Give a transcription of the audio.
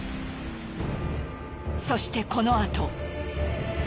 そしてこのあと。